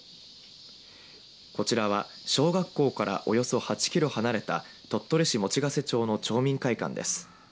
こちらは小学校からおよそ８キロ離れた鳥取市用瀬町の町民会館です。